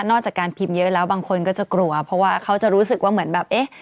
จากการพิมพ์เยอะแล้วบางคนก็จะกลัวเพราะว่าเขาจะรู้สึกว่าเหมือนแบบเอ๊ะ